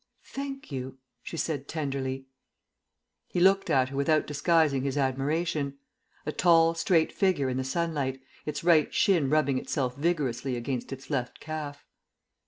"Thank you," she said tenderly. He looked at her without disguising his admiration; a tall, straight figure in the sunlight, its right shin rubbing itself vigorously against its left calf.